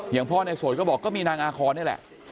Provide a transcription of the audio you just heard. พ่อในโสดก็บอกก็มีนางอาคอนนี่แหละ